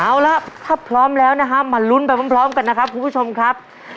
เอาละถ้าพร้อมแล้วนะฮะมาลุ้นไปพร้อมกันนะครับคุณผู้ชมครับ